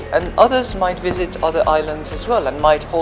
dan lainnya juga akan mengunjungi pulau lainnya